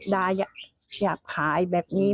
ดาแหยาบท้ายแบบนี้